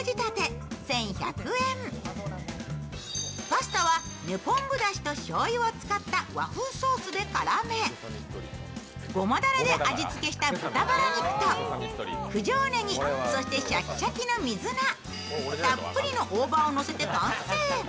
パスタは根昆布だしとしょうゆを使った和風ソースで絡め胡麻ダレで味付けした豚ばら肉と、九条ねぎ、そしてシャキシャキの水菜、たっぷりの大葉をのせて完成。